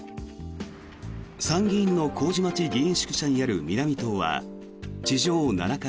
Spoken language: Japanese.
参議院の麹町議員宿舎にある南棟は地上７階